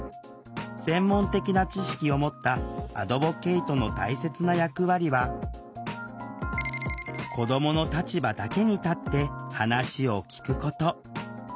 専門的な知識を持ったアドボケイトの大切な役割は子どもの立場だけに立って話を聴くこと。